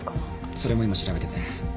それも今調べてて。